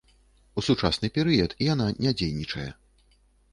У сучасны перыяд яна не дзейнічае.